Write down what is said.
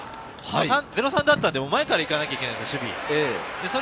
０ー３だったので前から行かなきゃいけないんですよ、守備。